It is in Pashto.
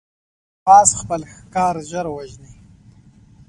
باز خپل ښکار ژر وژني